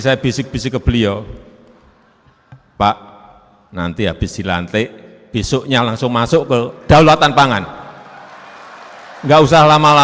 sekali lagi lima tahun ke depan sepuluh tahun ke depan